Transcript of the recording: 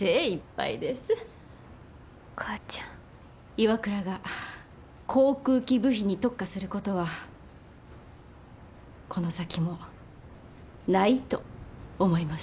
ＩＷＡＫＵＲＡが航空機部品に特化することはこの先もないと思います。